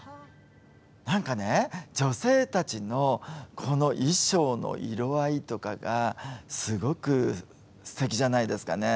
何かね女性たちのこの衣装の色合いとかがすごくすてきじゃないですかね。